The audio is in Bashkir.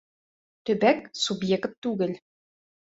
Төбәк субъект түгел